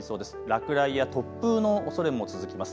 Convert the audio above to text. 落雷や突風のおそれも続きます。